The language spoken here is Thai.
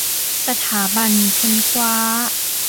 สถาบันค้นคว้า